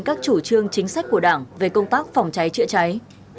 các chủ trương chính sách của đảng về công tác phòng cháy chữa cháy